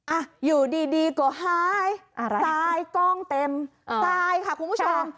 อ่ะอยู่ดีดีก็หายอะไรทรายกล้องเต็มทรายค่ะคุณผู้ชม